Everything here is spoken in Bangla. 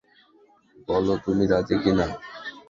বলো তুমি রাজি কি না।